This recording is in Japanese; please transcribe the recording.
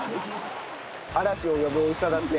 「嵐を呼ぶ美味しさ」だって。